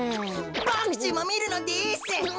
ボクちんもみるのです。